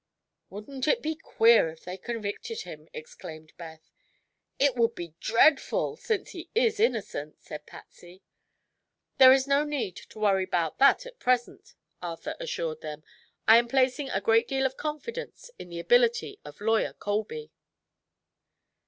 "Wouldn't it be queer if they convicted him!" exclaimed Beth. "It would be dreadful, since he is innocent," said Patsy. "There is no need to worry about that just at present," Arthur assured them. "I am placing a great deal of confidence in the ability of Lawyer Colby."